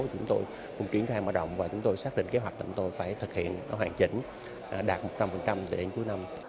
chúng tôi cũng chuyển thay mở động và chúng tôi xác định kế hoạch tầm tôi phải thực hiện hoàn chỉnh đạt một trăm linh đến cuối năm